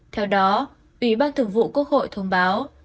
theo đó ủy ban thường vụ quốc hội thông báo